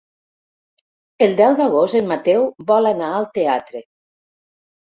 El deu d'agost en Mateu vol anar al teatre.